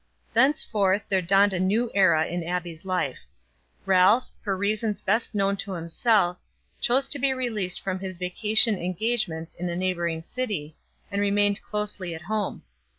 Thenceforth there dawned a new era in Abbie's life. Ralph, for reasons best known to himself, chose to be released from his vacation engagements in a neighboring city, and remained closely at home.